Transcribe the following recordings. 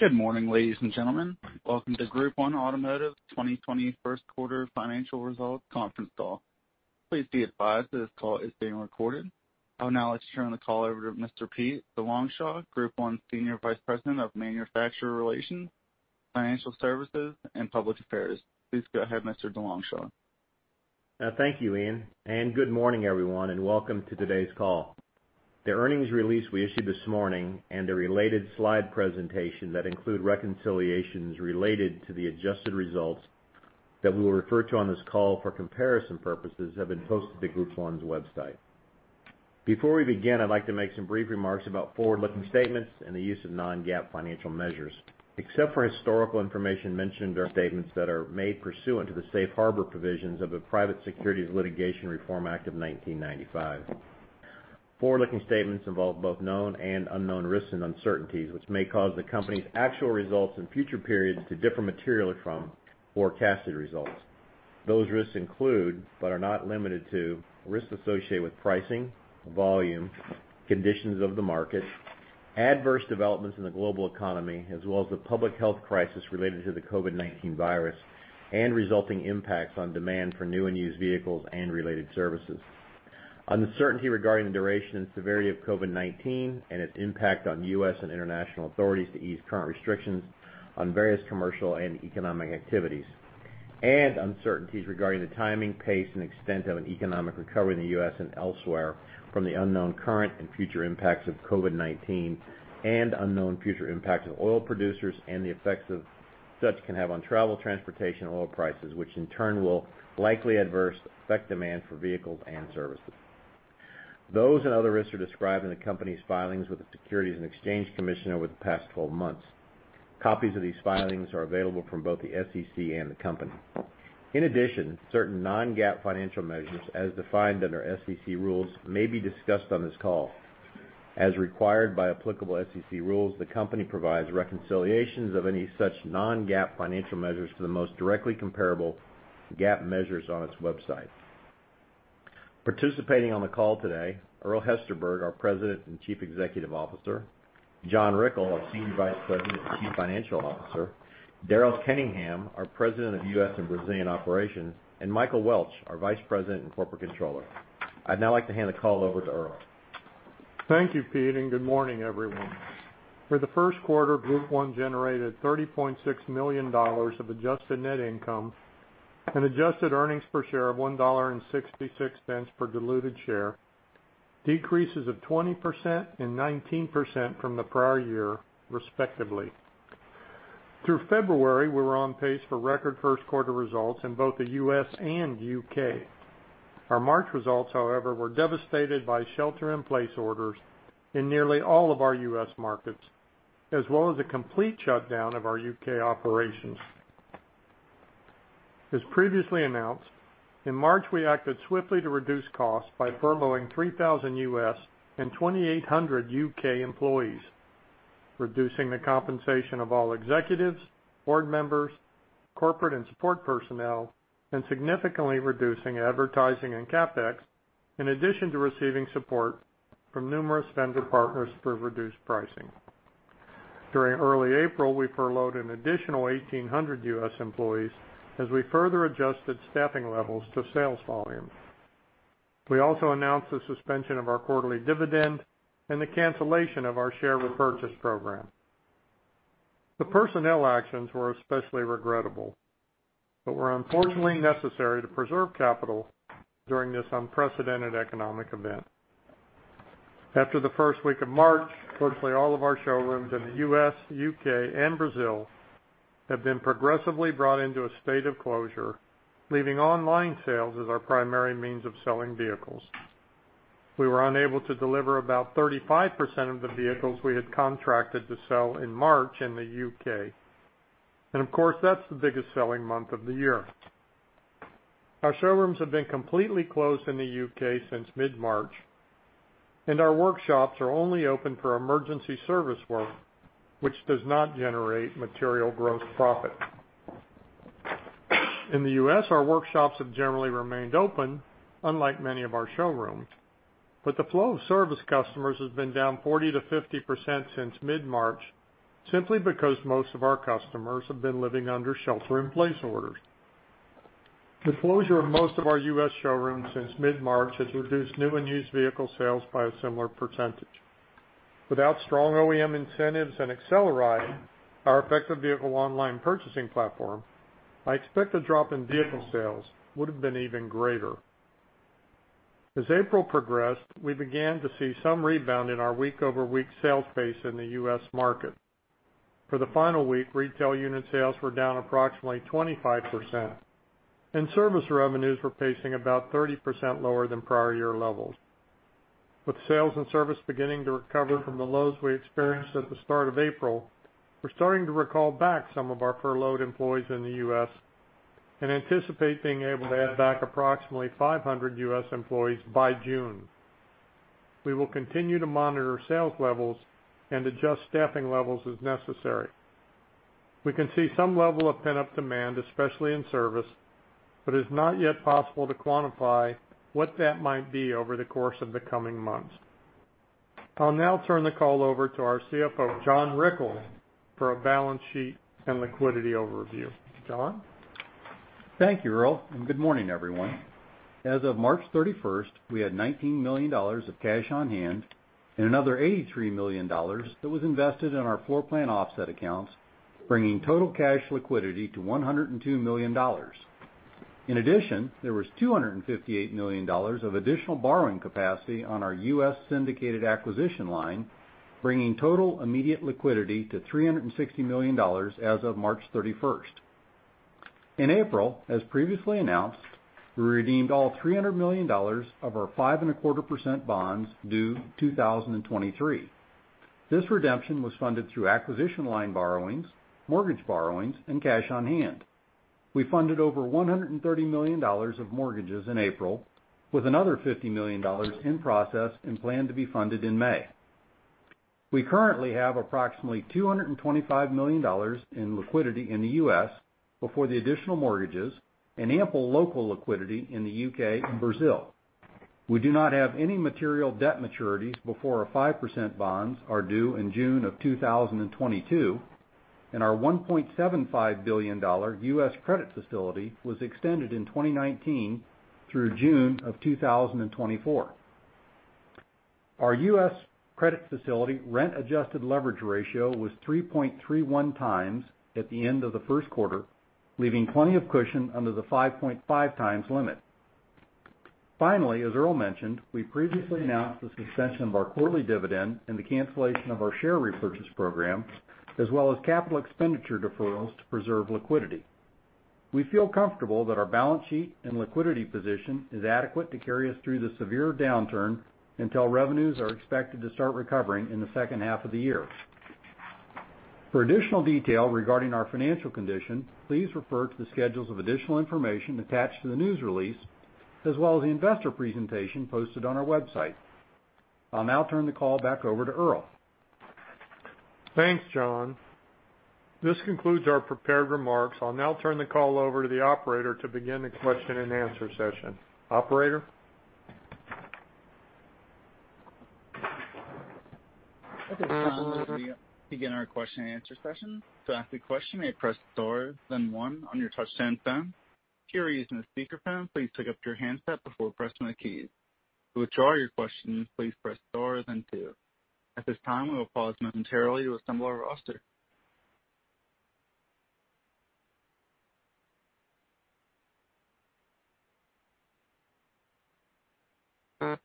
Good morning, ladies and gentlemen. Welcome to Group 1 Automotive 2020 first quarter financial results conference call. Please be advised that this call is being recorded. I would now like to turn the call over to Mr. Pete DeLongchamps, Group 1 Senior Vice President of Manufacturer Relations, Financial Services, and Public Affairs. Please go ahead, Mr. DeLongchamps. Thank you, Ian, good morning, everyone, and welcome to today's call. The earnings release we issued this morning and the related slide presentation that include reconciliations related to the adjusted results that we will refer to on this call for comparison purposes, have been posted to Group 1's website. Before we begin, I'd like to make some brief remarks about forward-looking statements and the use of non-GAAP financial measures. Except for historical information mentioned, there are statements that are made pursuant to the Safe Harbor provisions of the Private Securities Litigation Reform Act of 1995. Forward-looking statements involve both known and unknown risks and uncertainties, which may cause the company's actual results in future periods to differ materially from forecasted results. Those risks include, but are not limited to, risks associated with pricing, volume, conditions of the market, adverse developments in the global economy, as well as the public health crisis related to the COVID-19 virus and resulting impacts on demand for new and used vehicles and related services, uncertainty regarding the duration and severity of COVID-19 and its impact on U.S. and international authorities to ease current restrictions on various commercial and economic activities, and uncertainties regarding the timing, pace, and extent of an economic recovery in the U.S. and elsewhere from the unknown current and future impacts of COVID-19, and unknown future impacts of oil producers and the effects of such can have on travel, transportation, oil prices, which in turn will likely adverse affect demand for vehicles and services. Those and other risks are described in the company's filings with the Securities and Exchange Commission over the past 12 months. Copies of these filings are available from both the SEC and the company. In addition, certain non-GAAP financial measures, as defined under SEC rules, may be discussed on this call. As required by applicable SEC rules, the company provides reconciliations of any such non-GAAP financial measures to the most directly comparable GAAP measures on its website. Participating on the call today, Earl Hesterberg, our President and Chief Executive Officer. John Rickel, our Senior Vice President and Chief Financial Officer. Daryl Kenningham, our President of U.S. and Brazilian Operations, and Michael Welch, our Vice President and Corporate Controller. I'd now like to hand the call over to Earl. Thank you, Pete, and good morning, everyone. For the first quarter, Group 1 generated $30.6 million of adjusted net income and adjusted earnings per share of $1.66 per diluted share, decreases of 20% and 19% from the prior year, respectively. Through February, we were on pace for record first quarter results in both the U.S. and U.K. Our March results, however, were devastated by shelter-in-place orders in nearly all of our U.S. markets, as well as the complete shutdown of our U.K. operations. As previously announced, in March, we acted swiftly to reduce costs by furloughing 3,000 U.S. and 2,800 U.K. employees, reducing the compensation of all executives, board members, corporate and support personnel, and significantly reducing advertising and CapEx, in addition to receiving support from numerous vendor partners for reduced pricing. During early April, we furloughed an additional 1,800 U.S. employees as we further adjusted staffing levels to sales volume. We also announced the suspension of our quarterly dividend and the cancellation of our share repurchase program. The personnel actions were especially regrettable, but were unfortunately necessary to preserve capital during this unprecedented economic event. After the first week of March, virtually all of our showrooms in the U.S., U.K., and Brazil have been progressively brought into a state of closure, leaving online sales as our primary means of selling vehicles. We were unable to deliver about 35% of the vehicles we had contracted to sell in March in the U.K. Of course, that's the biggest selling month of the year. Our showrooms have been completely closed in the U.K. since mid-March, and our workshops are only open for emergency service work, which does not generate material gross profit. In the U.S., our workshops have generally remained open, unlike many of our showrooms, but the flow of service customers has been down 40% to 50% since mid-March, simply because most of our customers have been living under shelter-in-place orders. The closure of most of our U.S. showrooms since mid-March has reduced new and used vehicle sales by a similar percentage. Without strong OEM incentives and AcceleRide, our effective vehicle online purchasing platform, I expect the drop in vehicle sales would've been even greater. As April progressed, we began to see some rebound in our week-over-week sales pace in the U.S. market. For the final week, retail unit sales were down approximately 25%, and service revenues were pacing about 30% lower than prior year levels. With sales and service beginning to recover from the lows we experienced at the start of April, we're starting to recall back some of our furloughed employees in the U.S. and anticipate being able to add back approximately 500 U.S. employees by June. We will continue to monitor sales levels and adjust staffing levels as necessary. We can see some level of pent-up demand, especially in service, but it's not yet possible to quantify what that might be over the course of the coming months. I'll now turn the call over to our CFO, John Rickel, for a balance sheet and liquidity overview. John? Thank you, Earl, and good morning, everyone. As of March 31st, we had $19 million of cash on hand and another $83 million that was invested in our floor plan offset accounts, bringing total cash liquidity to $102 million. In addition, there was $258 million of additional borrowing capacity on our U.S. syndicated acquisition line, bringing total immediate liquidity to $360 million as of March 31st. In April, as previously announced, we redeemed all $300 million of our 5.25% bonds due 2023. This redemption was funded through acquisition line borrowings, mortgage borrowings, and cash on hand. We funded over $130 million of mortgages in April, with another $50 million in process and planned to be funded in May. We currently have approximately $225 million in liquidity in the U.S. before the additional mortgages, and ample local liquidity in the U.K. and Brazil. We do not have any material debt maturities before our 5% bonds are due in June of 2022, and our $1.75 billion U.S. credit facility was extended in 2019 through June of 2024. Our U.S. credit facility rent adjusted leverage ratio was 3.31 times at the end of the first quarter, leaving plenty of cushion under the 5.5 times limit. Finally, as Earl mentioned, we previously announced the suspension of our quarterly dividend and the cancellation of our share repurchase program, as well as capital expenditure deferrals to preserve liquidity. We feel comfortable that our balance sheet and liquidity position is adequate to carry us through the severe downturn until revenues are expected to start recovering in the second half of the year. For additional detail regarding our financial condition, please refer to the schedules of additional information attached to the news release, as well as the investor presentation posted on our website. I'll now turn the call back over to Earl. Thanks, John. This concludes our prepared remarks. I'll now turn the call over to the operator to begin the Q&A session. Operator? At this time, we will begin our Q&A session. To ask a question, press star then one on your touchtone phone. If you are using a speakerphone, please pick up your handset before pressing the keys. To withdraw your question, please press star then two. At this time, we will pause momentarily to assemble our roster.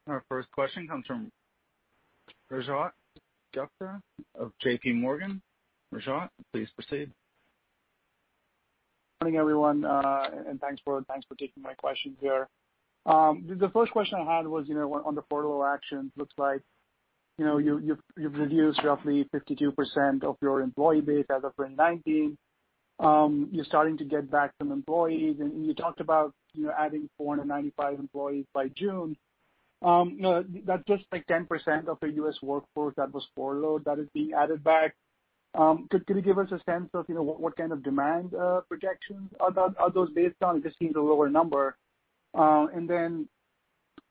Our first question comes from Rajat Gupta of JPMorgan. Rajat, please proceed. Morning, everyone, and thanks for taking my questions here. The first question I had was on the furlough actions. Looks like you've reduced roughly 52% of your employee base as of 2019. You're starting to get back some employees, and you talked about adding 495 employees by June. That's just 10% of the U.S. workforce that was furloughed that is being added back. Could you give us a sense of what kind of demand projections are those based on? It just seems a lower number. Then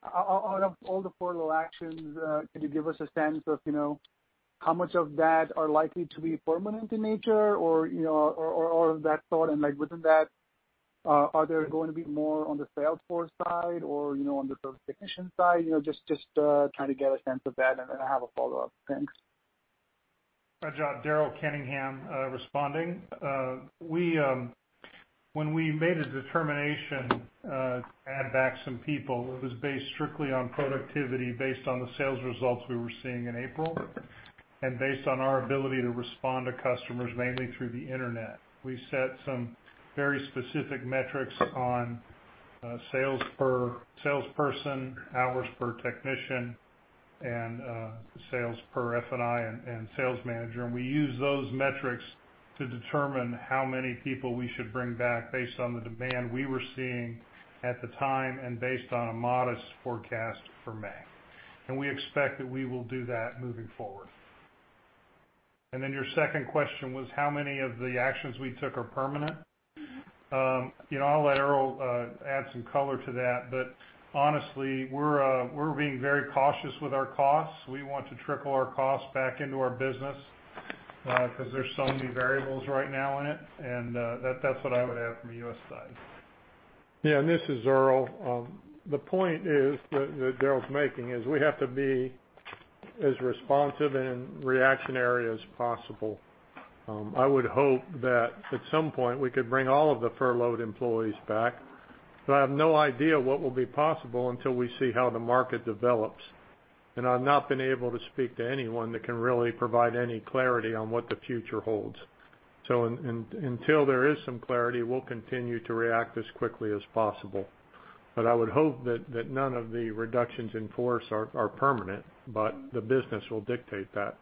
out of all the furlough actions, could you give us a sense of how much of that are likely to be permanent in nature or that thought, and within that, are there going to be more on the sales force side or on the service technician side? Just trying to get a sense of that, and then I have a follow-up. Thanks. Rajat, Daryl Kenningham responding. When we made a determination to add back some people, it was based strictly on productivity, based on the sales results we were seeing in April, and based on our ability to respond to customers mainly through the internet. We set some very specific metrics on sales per salesperson, hours per technician, and sales per F&I and sales manager. We used those metrics to determine how many people we should bring back based on the demand we were seeing at the time and based on a modest forecast for May. We expect that we will do that moving forward. Then your second question was how many of the actions we took are permanent? I'll let Earl add some color to that. Honestly, we're being very cautious with our costs. We want to trickle our costs back into our business, because there's so many variables right now in it, that's what I would add from the U.S. side. Yeah, this is Earl. The point that Daryl's making is we have to be as responsive and reactionary as possible. I would hope that at some point we could bring all of the furloughed employees back. I have no idea what will be possible until we see how the market develops. I've not been able to speak to anyone that can really provide any clarity on what the future holds. Until there is some clarity, we'll continue to react as quickly as possible. I would hope that none of the reductions in force are permanent, but the business will dictate that.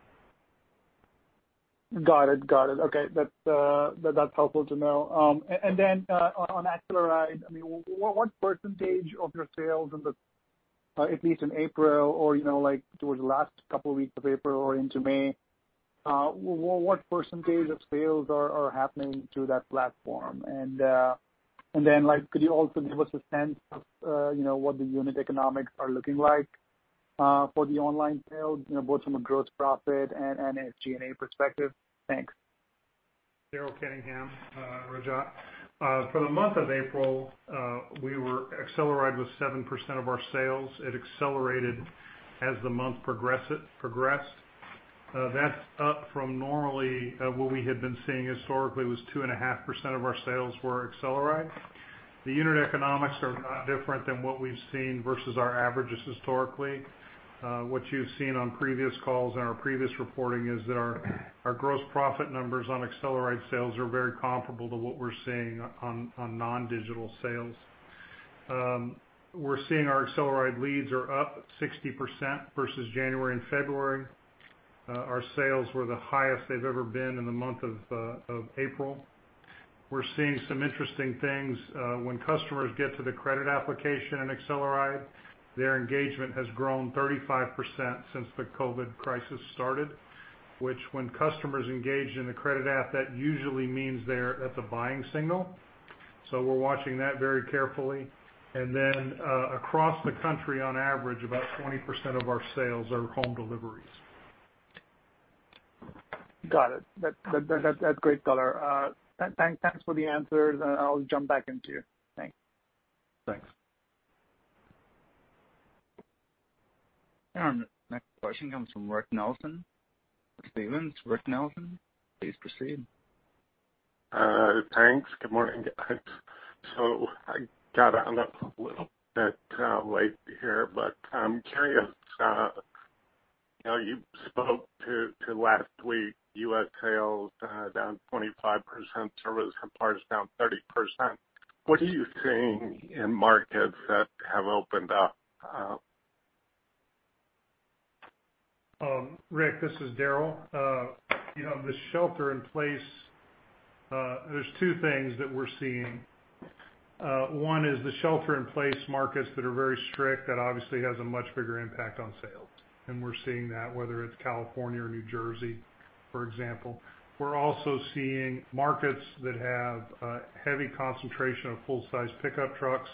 Got it. Okay. That's helpful to know. On AcceleRide, what percentage of your sales at least in April or towards the last couple weeks of April or into May, what percentage of sales are happening through that platform? Can you also give us a sense of what the unit economics are looking like for the online sales both from a gross profit and SG&A perspective? Thanks. Daryl Kenningham, Rajat. For the month of April, we were AcceleRide with 7% of our sales. It accelerated as the month progressed. That's up from normally what we had been seeing historically was 2.5% of our sales were AcceleRide. The unit economics are not different than what we've seen versus our averages historically. What you've seen on previous calls and our previous reporting is that our gross profit numbers on AcceleRide sales are very comparable to what we're seeing on non-digital sales. We're seeing our AcceleRide leads are up 60% versus January and February. Our sales were the highest they've ever been in the month of April. We're seeing some interesting things. When customers get to the credit application in AcceleRide, their engagement has grown 35% since the COVID-19 crisis started, which when customers engage in the credit app, that usually means they're at the buying signal. We're watching that very carefully. Across the country, on average, about 20% of our sales are home deliveries. Got it. That's great color. Thanks for the answers, and I'll jump back into you. Thanks. Thanks. Our next question comes from Rick Nelson of Stephens. Rick Nelson, please proceed. Thanks. Good morning, guys. I got on a little bit late here, but I'm curious. You spoke to last week, U.S. sales down 25%, service and parts down 30%. What are you seeing in markets that have opened up? Rick, this is Daryl. The shelter in place, there's two things that we're seeing. One is the shelter in place markets that are very strict, that obviously has a much bigger impact on sales. We're seeing that whether it's California or New Jersey, for example. We're also seeing markets that have a heavy concentration of full size pickup trucks.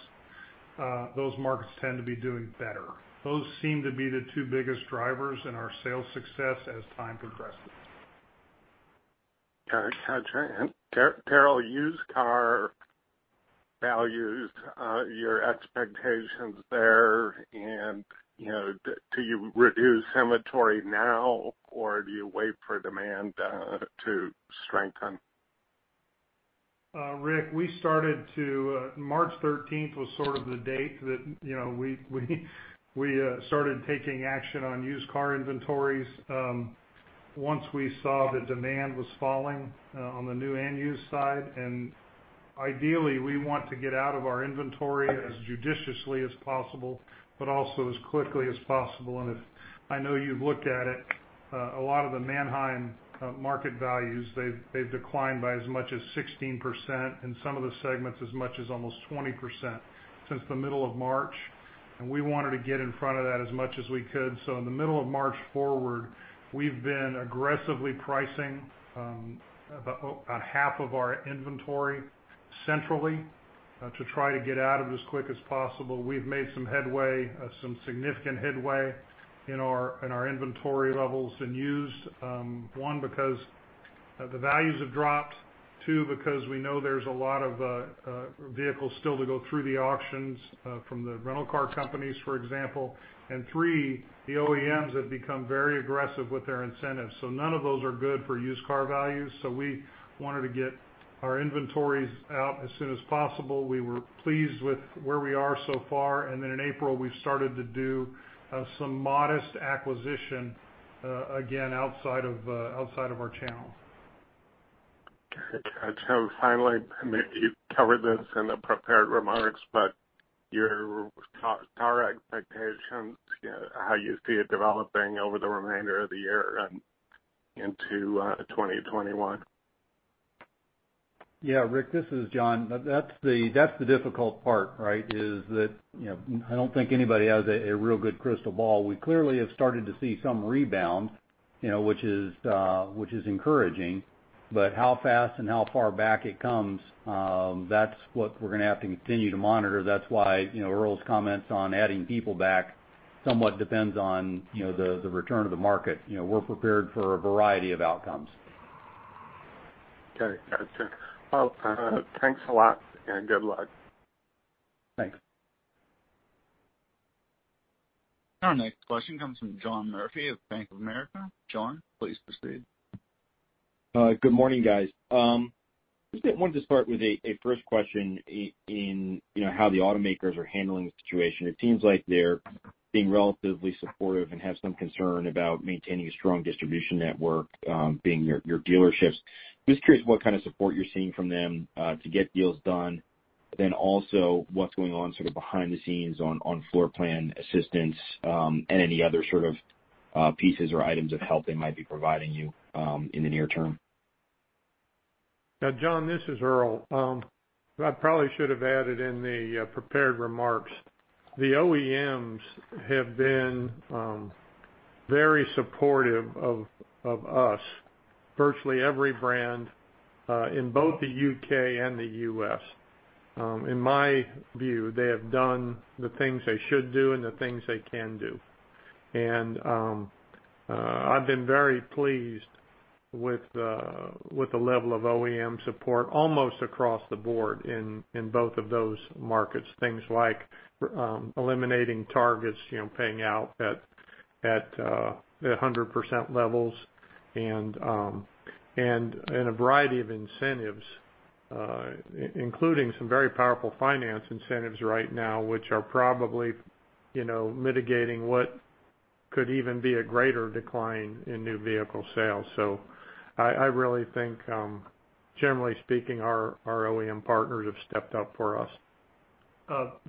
Those markets tend to be doing better. Those seem to be the two biggest drivers in our sales success as time progresses. Got you. Daryl, used car values, your expectations there and do you reduce inventory now or do you wait for demand to strengthen? Rick, March 13th was sort of the date that we started taking action on used car inventories once we saw the demand was falling on the new and used side. Ideally, we want to get out of our inventory as judiciously as possible, but also as quickly as possible. I know you've looked at it, a lot of the Manheim market values, they've declined by as much as 16%, in some of the segments as much as almost 20% since the middle of March. We wanted to get in front of that as much as we could. In the middle of March forward, we've been aggressively pricing about half of our inventory centrally to try to get out of it as quick as possible. We've made some headway, some significant headway in our inventory levels in used. One, because the values have dropped. Two, because we know there's a lot of vehicles still to go through the auctions from the rental car companies, for example. Three, the OEMs have become very aggressive with their incentives. None of those are good for used car values. We wanted to get our inventories out as soon as possible. We were pleased with where we are so far. In April, we started to do some modest acquisition again outside of our channel. Got you. Finally, you covered this in the prepared remarks, but your car expectations, how you see it developing over the remainder of the year and into 2021? Yeah, Rick, this is John. That's the difficult part, right? Is that I don't think anybody has a real good crystal ball. We clearly have started to see some rebound which is encouraging, but how fast and how far back it comes, that's what we're going to have to continue to monitor. That's why Earl's comments on adding people back somewhat depends on the return of the market. We're prepared for a variety of outcomes. Got you. Well, thanks a lot and good luck. Thanks. Our next question comes from John Murphy of Bank of America. John, please proceed. Good morning, guys. Just wanted to start with a first question in how the automakers are handling the situation. It seems like they're being relatively supportive and have some concern about maintaining a strong distribution network being your dealerships. Just curious what kind of support you're seeing from them to get deals done. Also what's going on sort of behind the scenes on floor plan assistance, and any other sort of pieces or items of help they might be providing you in the near term? Now, John, this is Earl. I probably should have added in the prepared remarks. The OEMs have been very supportive of us, virtually every brand in both the U.K. and the U.S. In my view, they have done the things they should do and the things they can do. I've been very pleased with the level of OEM support almost across the board in both of those markets. Things like eliminating targets, paying out at 100% levels and a variety of incentives, including some very powerful finance incentives right now, which are probably mitigating what could even be a greater decline in new vehicle sales. I really think, generally speaking, our OEM partners have stepped up for us.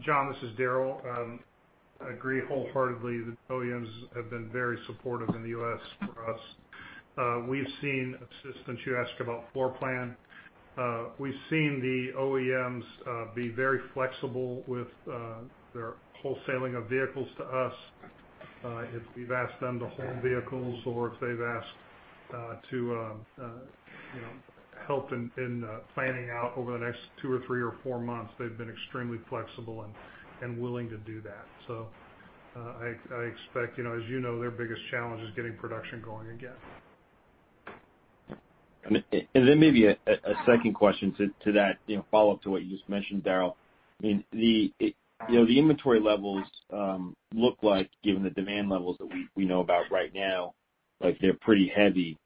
John, this is Daryl. I agree wholeheartedly that OEMs have been very supportive in the U.S. for us. We've seen assistance, you asked about floor plan. We've seen the OEMs be very flexible with their wholesaling of vehicles to us. If we've asked them to hold vehicles or if they've asked to help in planning out over the next two or three or four months, they've been extremely flexible and willing to do that. I expect, as you know, their biggest challenge is getting production going again. Maybe a second question to that, follow-up to what you just mentioned, Daryl. The inventory levels look like, given the demand levels that we know about right now, like they're pretty heavy.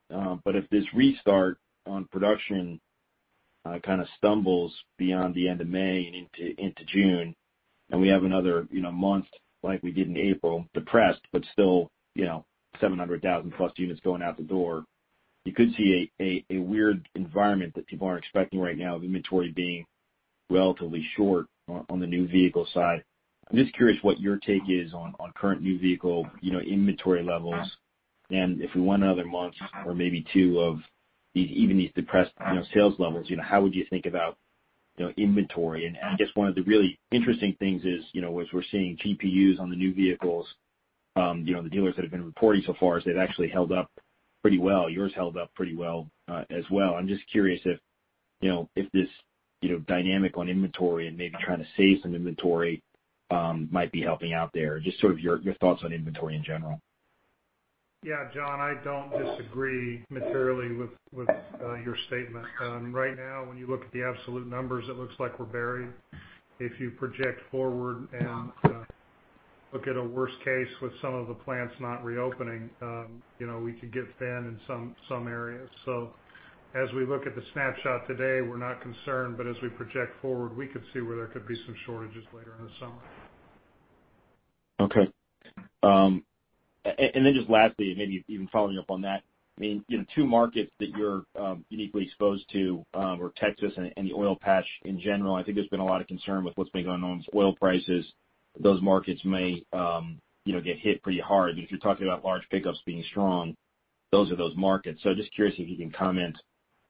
If this restart on production kind of stumbles beyond the end of May and into June, and we have another month like we did in April, depressed, but still 700,000 plus units going out the door, you could see a weird environment that people aren't expecting right now of inventory being relatively short on the new vehicle side. I'm just curious what your take is on current new vehicle inventory levels, and if we want another month or maybe two of even these depressed sales levels, how would you think about inventory? I guess one of the really interesting things is as we're seeing GPUs on the new vehicles, the dealers that have been reporting so far is they've actually held up pretty well. Yours held up pretty well, as well. I'm just curious if this dynamic on inventory and maybe trying to save some inventory might be helping out there. Just sort of your thoughts on inventory in general. Yeah, John, I don't disagree materially with your statement. Right now, when you look at the absolute numbers, it looks like we're buried. If you project forward and look at a worst case with some of the plants not reopening, we could get thin in some areas. As we look at the snapshot today, we're not concerned, but as we project forward, we could see where there could be some shortages later in the summer. Okay. Just lastly, and maybe even following up on that. Two markets that you're uniquely exposed to are Texas and the oil patch in general. I think there's been a lot of concern with what's been going on with oil prices. Those markets may get hit pretty hard. If you're talking about large pickups being strong, those are those markets. Just curious if you can comment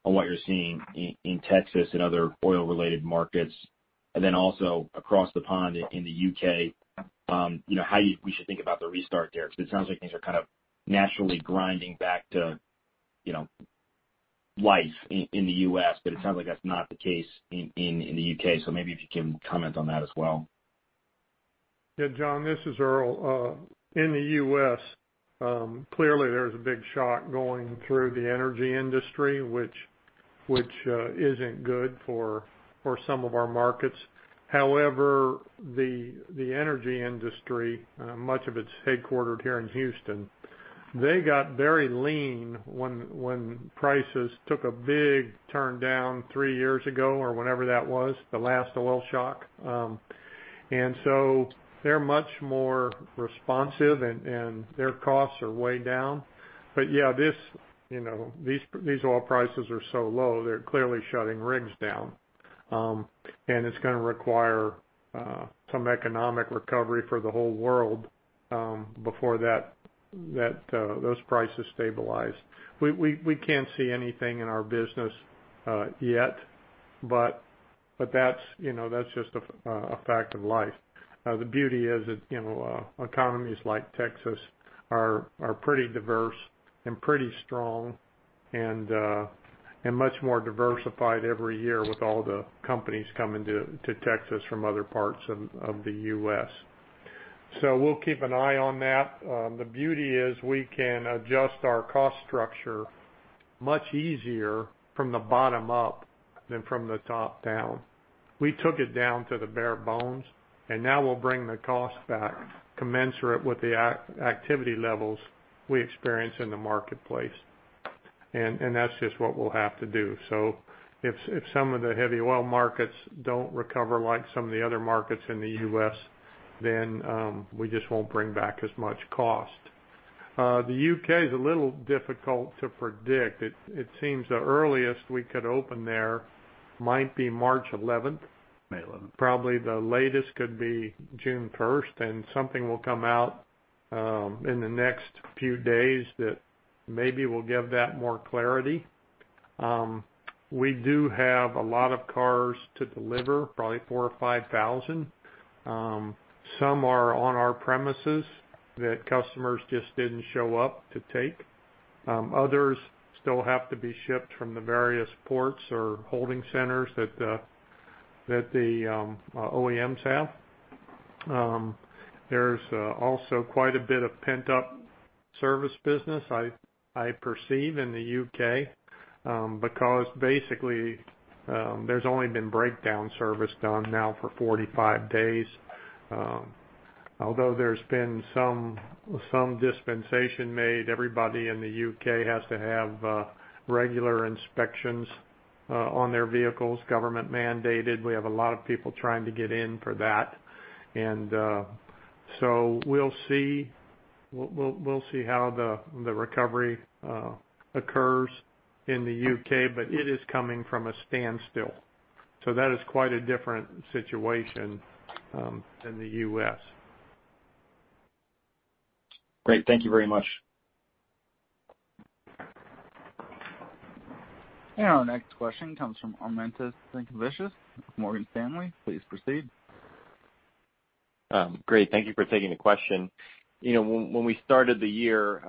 on what you're seeing in Texas and other oil-related markets. Also across the pond in the U.K., how we should think about the restart there, because it sounds like things are kind of naturally grinding back to life in the U.S., but it sounds like that's not the case in the U.K. Maybe if you can comment on that as well. Yeah, John, this is Earl. In the U.S., clearly there's a big shock going through the energy industry, which isn't good for some of our markets. The energy industry, much of it's headquartered here in Houston. They got very lean when prices took a big turn down three years ago or whenever that was, the last oil shock. They're much more responsive and their costs are way down. Yeah, these oil prices are so low, they're clearly shutting rigs down. It's going to require some economic recovery for the whole world before those prices stabilize. We can't see anything in our business yet, but that's just a fact of life. The beauty is that economies like Texas are pretty diverse and pretty strong and much more diversified every year with all the companies coming to Texas from other parts of the U.S. We'll keep an eye on that. The beauty is we can adjust our cost structure much easier from the bottom up than from the top down. We took it down to the bare bones, and now we'll bring the cost back commensurate with the activity levels we experience in the marketplace. That's just what we'll have to do. If some of the heavy oil markets don't recover like some of the other markets in the U.S., then we just won't bring back as much cost. The U.K. is a little difficult to predict. It seems the earliest we could open there might be March 11th. May 11th. Probably the latest could be June 1st, and something will come out in the next few days that maybe will give that more clarity. We do have a lot of cars to deliver, probably 4,000 or 5,000. Some are on our premises that customers just didn't show up to take. Others still have to be shipped from the various ports or holding centers that the OEMs have. There's also quite a bit of pent-up service business, I perceive, in the U.K., because basically, there's only been breakdown service done now for 45 days. Although there's been some dispensation made, everybody in the U.K. has to have regular inspections on their vehicles, government-mandated. We have a lot of people trying to get in for that. We'll see how the recovery occurs in the U.K., but it is coming from a standstill. That is quite a different situation than the U.S. Great. Thank you very much. Our next question comes from Armintas Sinkevicius with Morgan Stanley. Please proceed. Great. Thank you for taking the question. When we started the year,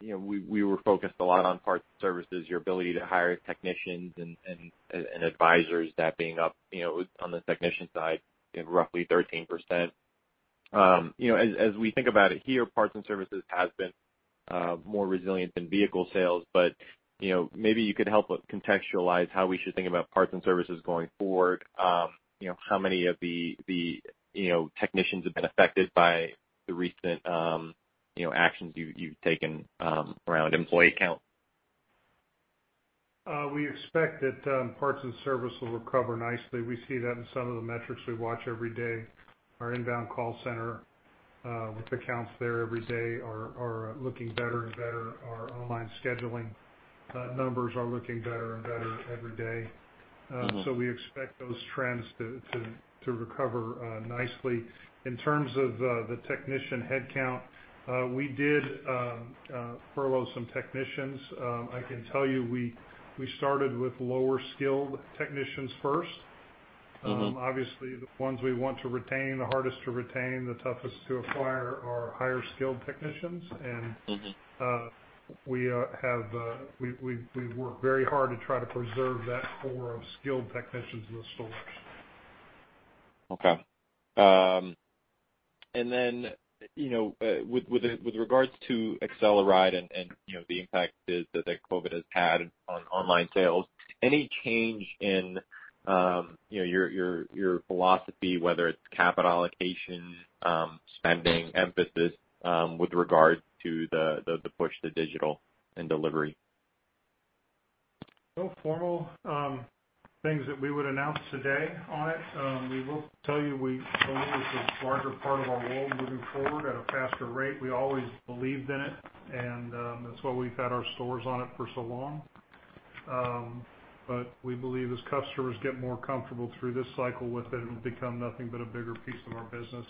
we were focused a lot on parts and services, your ability to hire technicians and advisors, that being up on the technician side, roughly 13%. As we think about it here, parts and services has been more resilient than vehicle sales. Maybe you could help contextualize how we should think about parts and services going forward. How many of the technicians have been affected by the recent actions you've taken around employee count? We expect that parts and service will recover nicely. We see that in some of the metrics we watch every day. Our inbound call center with the counts there every day are looking better and better. Our online scheduling numbers are looking better and better every day. We expect those trends to recover nicely. In terms of the technician headcount, we did furlough some technicians. I can tell you we started with lower-skilled technicians first. Obviously, the ones we want to retain, the hardest to retain, the toughest to acquire are higher-skilled technicians and we work very hard to try to preserve that core of skilled technicians in the stores. Okay. With regards to AcceleRide and the impact that the COVID has had on online sales, any change in your philosophy, whether it's capital allocation, spending emphasis, with regard to the push to digital and delivery? No formal things that we would announce today on it. We will tell you we believe it's a larger part of our world moving forward at a faster rate. We always believed in it, and that's why we've had our stores on it for so long. We believe as customers get more comfortable through this cycle with it'll become nothing but a bigger piece of our business.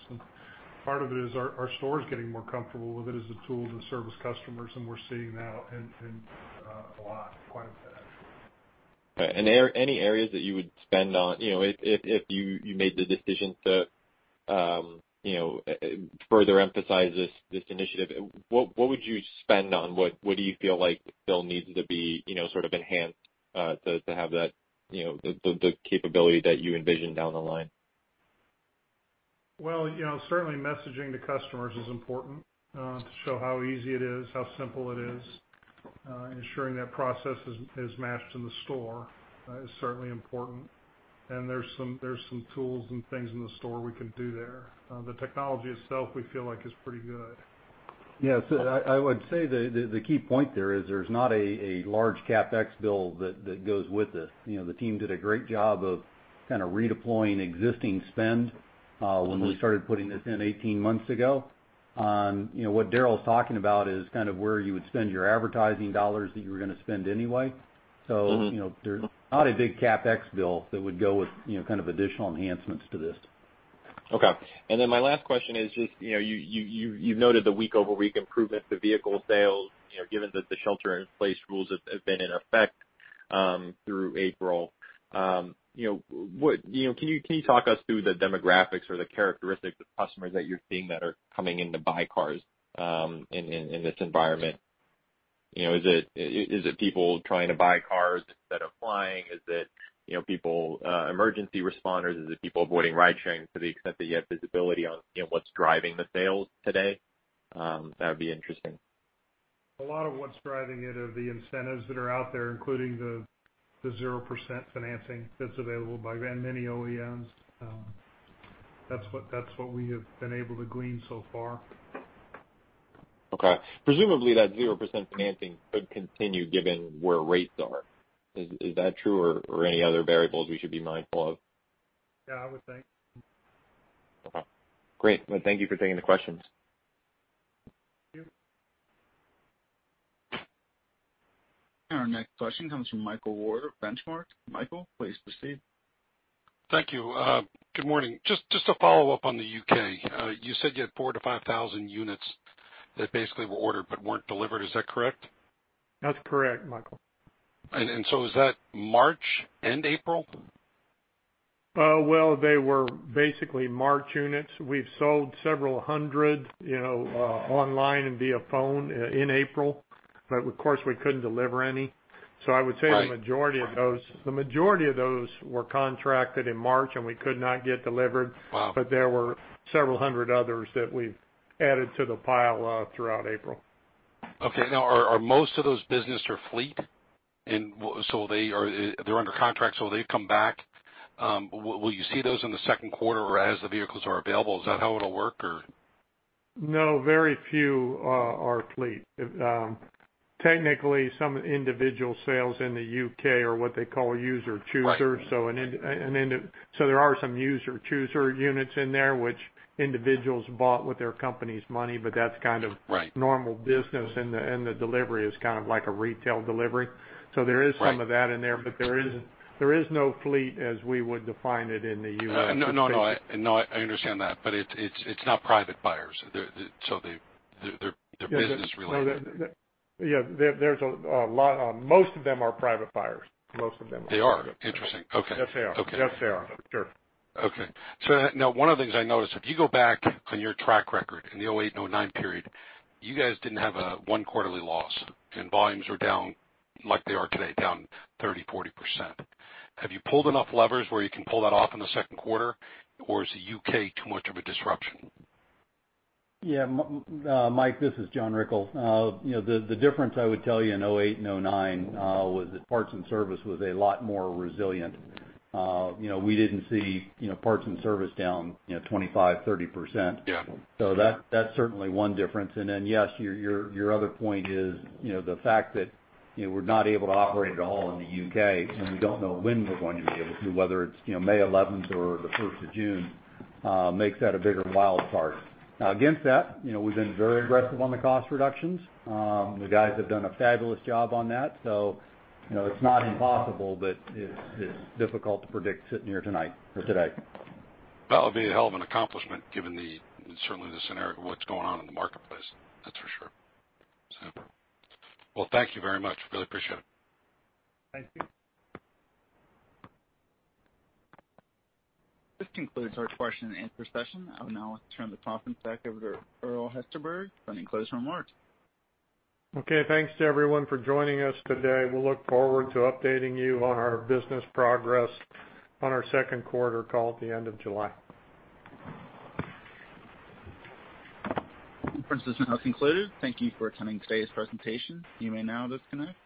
Part of it is our stores getting more comfortable with it as a tool to service customers, and we're seeing that a lot, quite a bit. Okay. Any areas that you would spend on if you made the decision to further emphasize this initiative, what would you spend on? What do you feel like still needs to be sort of enhanced to have the capability that you envision down the line? Well, certainly messaging to customers is important to show how easy it is, how simple it is. Ensuring that process is matched in the store is certainly important. There's some tools and things in the store we can do there. The technology itself, we feel like is pretty good. Yes. I would say the key point there is there's not a large CapEx bill that goes with this. The team did a great job of kind of redeploying existing spend when we started putting this in 18 months ago. What Daryl's talking about is kind of where you would spend your advertising dollars that you were going to spend anyway. There's not a big CapEx bill that would go with kind of additional enhancements to this. Okay. My last question is just you've noted the week-over-week improvements to vehicle sales. Given that the shelter-in-place rules have been in effect through April, can you talk us through the demographics or the characteristics of customers that you're seeing that are coming in to buy cars in this environment? Is it people trying to buy cars instead of flying? Is it emergency responders? Is it people avoiding ride-sharing to the extent that you have visibility on what's driving the sales today? That would be interesting. A lot of what's driving it are the incentives that are out there, including the 0% financing that's available by many OEMs. That's what we have been able to glean so far. Okay. Presumably, that 0% financing could continue, given where rates are. Is that true, or any other variables we should be mindful of? Yeah, I would think. Okay. Great. Thank you for taking the questions. Thank you. Our next question comes from Michael Ward of Benchmark. Michael, please proceed. Thank you. Good morning. Just to follow up on the U.K. You said you had 4,000 to 5,000 units that basically were ordered but weren't delivered. Is that correct? That's correct, Michael. Is that March and April? Well, they were basically March units. We've sold several hundred online and via phone in April. Of course, we couldn't deliver any. Right. I would say the majority of those were contracted in March, and we could not get delivered. Wow. There were several hundred others that we've added to the pile throughout April. Okay. Now, are most of those business or fleet? They're under contract, so they come back. Will you see those in the second quarter, or as the vehicles are available? Is that how it'll work, or? No, very few are fleet. Technically, some individual sales in the U.K. are what they call user-chooser. Right. There are some user-chooser units in there, which individuals bought with their company's money. Right. Normal business, and the delivery is kind of like a retail delivery. Right. There is some of that in there, but there is no fleet as we would define it in the U.S. No, I understand that. It's not private buyers. They're business related. Yeah, most of them are private buyers. Most of them. They are? Interesting. Okay. Yes, they are. Okay. Yes, they are. For sure. Okay. Now, one of the things I noticed, if you go back on your track record in the 2008 and 2009 period, you guys didn't have one quarterly loss, and volumes were down like they are today, down 30%, 40%. Have you pulled enough levers where you can pull that off in the second quarter, or is the U.K. too much of a disruption? Yeah. Mike, this is John Rickel. The difference I would tell you in 2008 and 2009 was that parts and service was a lot more resilient. We didn't see parts and service down 25%, 30%. Yeah. That's certainly one difference. Yes, your other point is the fact that we're not able to operate at all in the U.K., and we don't know when we're going to be able to, whether it's May 11th or the 1st of June makes that a bigger wild card. Against that, we've been very aggressive on the cost reductions. The guys have done a fabulous job on that. It's not impossible, but it's difficult to predict sitting here tonight or today. That would be a hell of an accomplishment given certainly the scenario of what's going on in the marketplace. That's for sure. Well, thank you very much. Really appreciate it. Thank you. This concludes our Q&A session. I will now turn the conference back over to Earl Hesterberg for any closing remarks. Okay, thanks to everyone for joining us today. We'll look forward to updating you on our business progress on our second quarter call at the end of July. Conference is now concluded. Thank you for attending today's presentation. You may now disconnect.